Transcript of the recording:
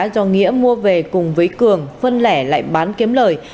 do nghĩa mua về cùng với cường phân lẻ lại bán kiếm lời